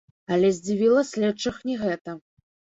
Але здзівіла следчых не гэта.